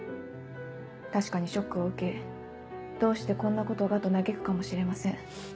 確かにショックを受けどうしてこんなことがと嘆くかもしれません。